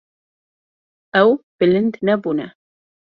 Ew bilind nebûne.